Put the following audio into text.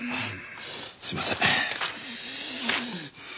すいません。